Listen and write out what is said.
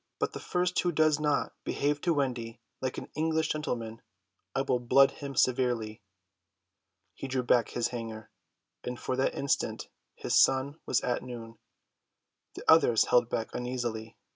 But the first who does not behave to Wendy like an English gentleman I will blood him severely." He drew back his hanger; and for that instant his sun was at noon. The others held back uneasily.